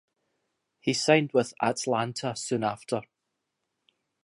He signed with Atlanta soon after.